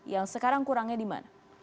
yang sekarang kurangnya dimana